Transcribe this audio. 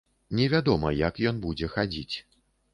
Невядома, як ён будзе хадзіць.